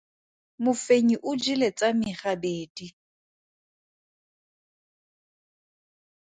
Mofenyi o jele tsa me gabedi.